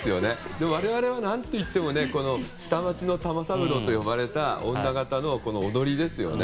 でも我々は何といっても下町の玉三郎と呼ばれた女形の、この踊りですよね。